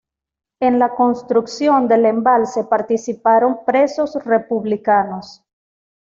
En la construcción del embalse participaron presos republicanos.